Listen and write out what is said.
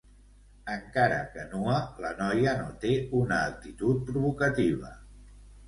Encara que nua, la noia no té una actitud provocativa.